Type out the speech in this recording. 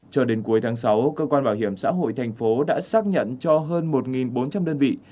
cho đến cuối tháng sáu cơ quan bảo hiểm xã hội thành phố đã xác nhận cho hơn một bốn trăm linh đơn vị